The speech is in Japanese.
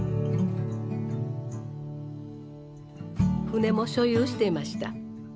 船も所有していました。